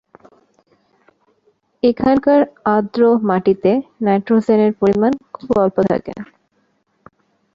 এখানকার আর্দ্র মাটিতে নাইট্রোজেনের পরিমাণ খুব অল্প থাকে।